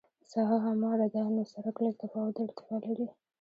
ساحه همواره ده نو سرک لږ تفاوت د ارتفاع لري